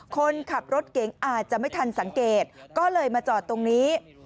คนขับรถเก๋งอาจจะไม่ทันสังเกตก็เลยมาจอดตรงนี้